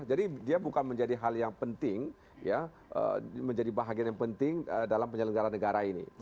jadi dia bukan menjadi hal yang penting ya menjadi bahagian yang penting dalam penyelenggara negara ini